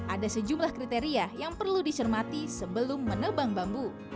ada sejumlah kriteria yang perlu dicermati sebelum menebang bambu